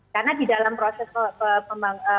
karena di dalam proses pembuatan